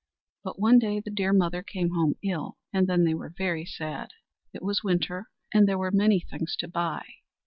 But one day the dear mother came home ill; and then they were very sad. It was winter, and there were many things to buy.